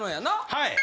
はい。